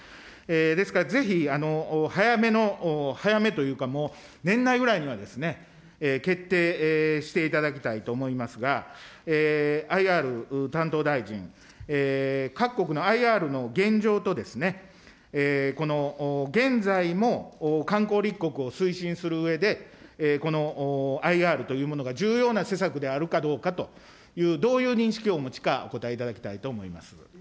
ですから、ぜひ、早めの、早めというか、年内ぐらいには決定していただきたいと思いますが、ＩＲ担当大臣、各国のＩＲの現状とこの現在も観光立国を推進するうえで、このＩＲというものが重要な施策であるかどうかという、どういう認識をお持ちか、お答えいただきたいと思います。